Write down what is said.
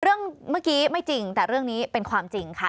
เรื่องเมื่อกี้ไม่จริงแต่เรื่องนี้เป็นความจริงค่ะ